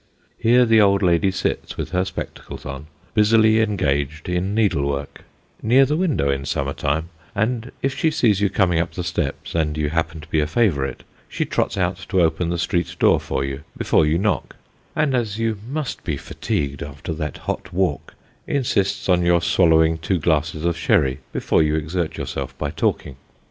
Here the old lady sits with her spectacles on, busily engaged in needle work near the window in summer time ; and if she sees you coming up the steps, and you happen to be a favourite, she trots out to open the street door for you before you knock, and as you must be fatigued after that hot walk, insists on your swallowing two glasses of sherry before you exert yourself by talking.